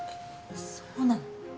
そうなの？